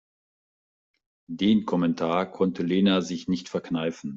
Den Kommentar konnte Lena sich nicht verkneifen.